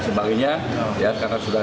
era yang bernyata hurinh termadrastoler